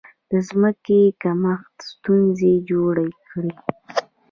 د ځمکې کمښت ستونزې جوړې کړې.